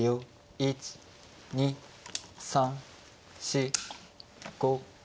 １２３４５。